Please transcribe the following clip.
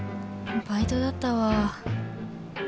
バイトだったわー」。